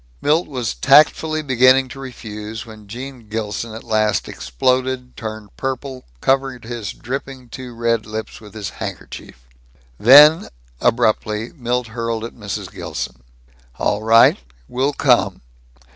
Milt was tactfully beginning to refuse when Gene Gilson at last exploded, turned purple, covered his dripping, too red lips with his handkerchief. Then, abruptly, Milt hurled at Mrs. Gilson, "All right. We'll come.